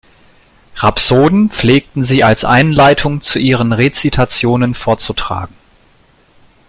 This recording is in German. Rhapsoden pflegten sie als Einleitung zu ihren Rezitationen vorzutragen.